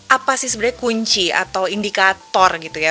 apa sih sebenarnya kunci atau indikator gitu ya